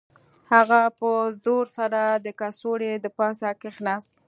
هغه په زور سره د کڅوړې د پاسه کښیناست